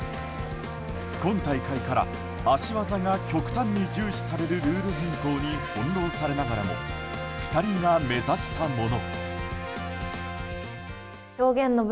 今大会から、脚技が極端に重視されるルール変更に翻弄されながらも２人が目指したもの。